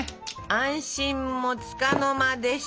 安心もつかの間でした。